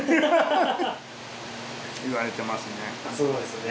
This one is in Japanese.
言われてますね。